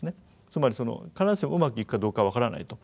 つまり必ずしもうまくいくかどうか分からないと。